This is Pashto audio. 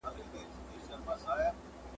له هيبته ډک مخونه ..